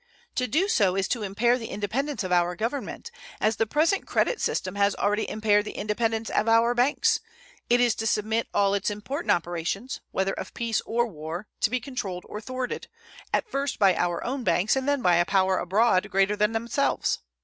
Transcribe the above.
To do so is to impair the independence of our Government, as the present credit system has already impaired the independence of our banks; it is to submit all its important operations, whether of peace or war, to be controlled or thwarted, at first by our own banks and then by a power abroad greater than themselves.